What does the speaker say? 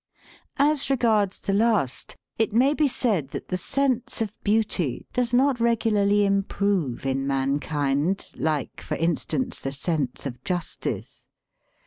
As regards the last, it may be said that the sense of beauty does not regularly improve in mankind, like, for instance, the sense of justice.